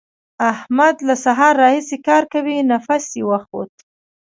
احمد له سهار راهسې کار کوي؛ نفس يې وخوت.